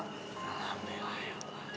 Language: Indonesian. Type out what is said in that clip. alhamdulillah ya allah